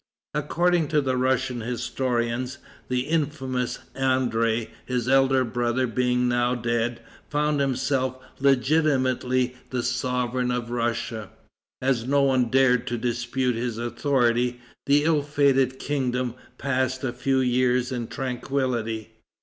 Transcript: According to the Russian historians, the infamous André, his elder brother being now dead, found himself legitimately the sovereign of Russia. As no one dared to dispute his authority, the ill fated kingdom passed a few years in tranquillity.